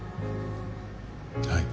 はい。